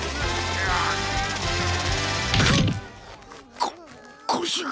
ここしが。